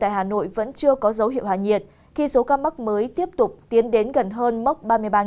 hà nội vẫn chưa có dấu hiệu hạ nhiệt khi số ca mắc mới tiếp tục tiến đến gần hơn mốc ba mươi ba